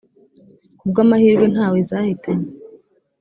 kubw’amahirwe ntawe zahitanye